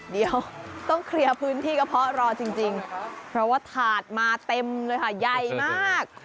เดี๋ยวต้องเคลียร์พื้นที่กระเพาะรอจริงเพราะว่าถาดมาเต็มเลยค่ะใหญ่มาก